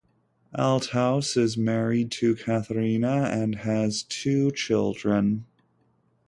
Althaus is married to Katharina and has two children.